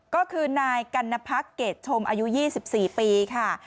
ก็คือนายกัณพักเกรดชมอายุ๒๔ปีค่ะ